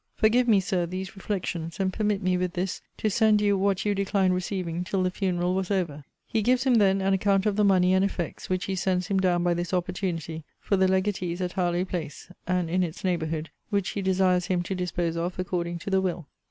Forgive me, Sir, these reflections, and permit me, with this, to send you what you declined receiving till the funeral was over. [He gives him then an account of the money and effects, which he sends him down by this opportunity, for the legatees at Harlowe place, and in its neighbourhood; which he desires him to dispose of according to the will.